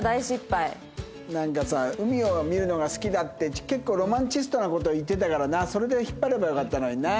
なんかさ海を見るのが好きだって結構ロマンチストな事言ってたからなそれで引っ張ればよかったのにな。